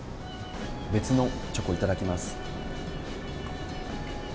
別のチョコいただきます。